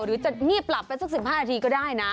หรือจะงีบหลับไปสัก๑๕นาทีก็ได้นะ